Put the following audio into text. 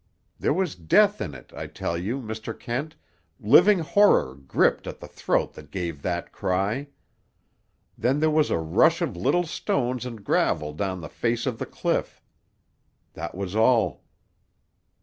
There was death in it, I tell you, Mr. Kent, living horror gripped at the throat that gave that cry. Then there was a rush of little stones and gravel down the face of the cliff. That was all.